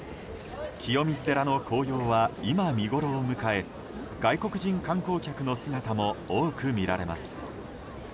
清水寺の紅葉は今、見ごろを迎え外国人観光客の姿も多く見られます。